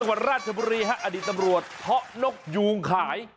วัดราชบุรีฮะอดีตตำรวจเพาะนกยูงขาย